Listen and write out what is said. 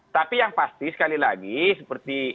tapi yang pasti sekali lagi seperti